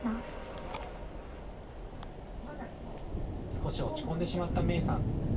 少し落ち込んでしまった芽衣さん。